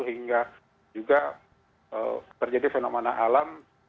hingga juga terjadi fenomena alam